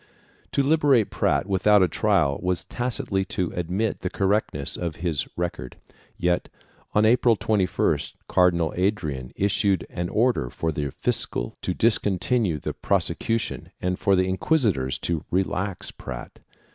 To liberate Prat without a trial was tacitly to admit the correctness of his record, yet, on April 21st, Cardinal Adrian issued an order for the fiscal to discontinue the prosecution and for the inquisitors to " relax" Prat.